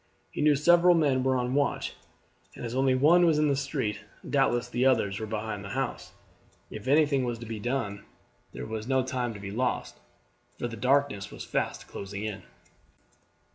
He knew several men were on the watch, and as only one was in the street, doubtless the others were behind the house. If anything was to be done there was no time to be lost, for the darkness was fast closing in.